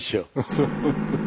そう。